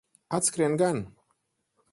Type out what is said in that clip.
Atskrien gan.